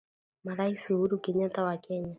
Marais Uhuru Kenyata wa Kenya